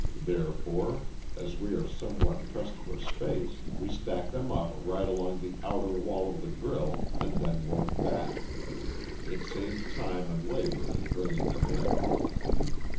Therefore, as we are somewhat pressed for space, we stack them up right along the outer wall of the grille and then work back. It saves time and labor in bringing them in."